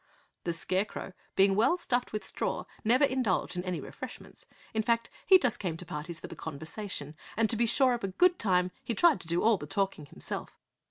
The Scarecrow, being well stuffed with straw, never indulged in any refreshments. In fact, he just came to parties for the conversation, and to be sure of a good time he tried to do all the talking himself.